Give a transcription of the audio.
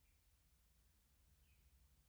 Game খেলার সময় নেই আমার এখন, অ্যালেক্স!